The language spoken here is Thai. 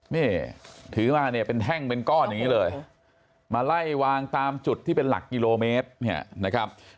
นี่ถือมาเนี่ยเป็นแท่งเป็นก้อนอย่างนี้เลยมาไล่วางตามจุดที่เป็นหลักกิโลเมตรเนี่ยนะครับ